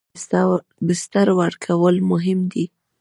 مېلمه ته پاک بستر ورکول مهم دي.